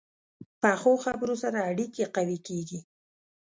پخو خبرو سره اړیکې قوي کېږي